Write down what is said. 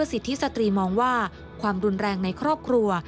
สิทธิสตรีมองว่าความรุนแรงในครอบครัว